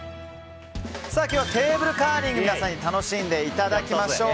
今日はテーブルカーリング皆さんに楽しんでいただきましょう。